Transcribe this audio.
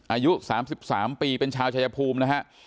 อายุ๓๓ปีเป็นชาวชายภูมินะฮะ